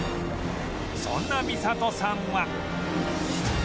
そんな美里さんは